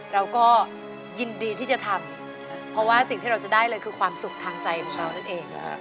เราก็ยินดีที่จะทำเพราะว่าสิ่งที่เราจะได้เลยคือความสุขทางใจของเรานั่นเอง